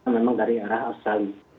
memang dari arah australia